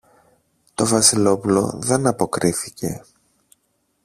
Το Βασιλόπουλο δεν αποκρίθηκε.